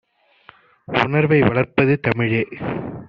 உணர்வை வளர்ப்பது தமிழே!